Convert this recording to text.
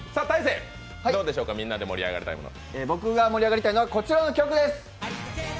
僕が盛り上がりたいのは、こちらの曲です。